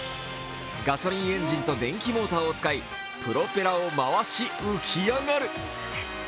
ガソリンエンジンと電気モーターを使い、プロペラを回し浮き上がる。